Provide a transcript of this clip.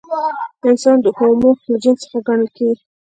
انسان د هومو له جنس څخه ګڼل کېږي.